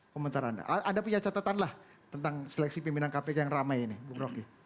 komentar anda anda punya catatan lah tentang seleksi pimpinan kpk yang ramai ini bung roky